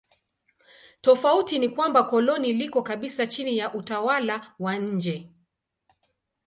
Tofauti ni kwamba koloni liko kabisa chini ya utawala wa nje.